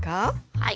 はい。